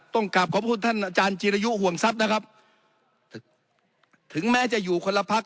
ต้องกลับขอบคุณท่านอาจารย์จิรยุห่วงทรัพย์นะครับถึงแม้จะอยู่คนละพัก